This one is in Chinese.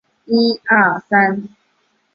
脊柱裂为一种。